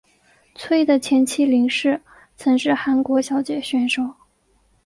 崔的前妻林氏曾是韩国小姐选手。